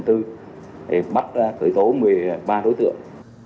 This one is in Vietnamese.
để bắt khởi tố một mươi ba đối tượng